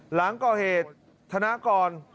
หลังกรเฮทนะกร